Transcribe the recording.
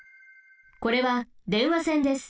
これは電話線です。